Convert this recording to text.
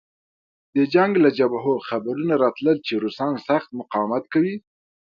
د جنګ له جبهو خبرونه راتلل چې روسان سخت مقاومت کوي